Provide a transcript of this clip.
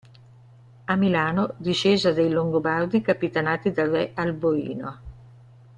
A Milano, discesa dei Longobardi capitanati dal re Alboino.